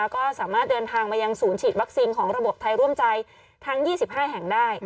ก็สามารถเดินทางมายังศูนย์ฉีดวัคซีนของระบบไทยร่วมใจทั้ง๒๕แห่งได้